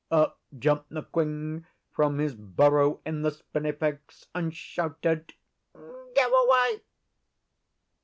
Up jumped Nquing from his burrow in the spinifex and shouted, 'Go away!